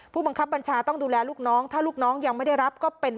ผู้บังคับบัญชาต้องดูแลลูกน้องถ้าลูกน้องยังไม่ได้รับก็เป็น